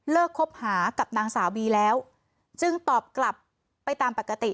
คบหากับนางสาวบีแล้วจึงตอบกลับไปตามปกติ